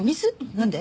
なんで？